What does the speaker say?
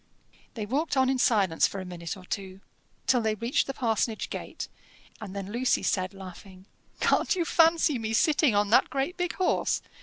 They walked on in silence for a minute or two, till they reached the parsonage gate, and then Lucy said, laughing, "Can't you fancy me sitting on that great big horse?